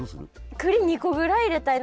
くり２個ぐらい入れたいな。